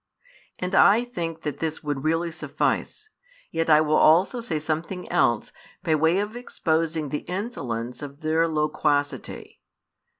And I think that this would really suffice: yet I will also say something else by way of exposing the insolence of their loquacity.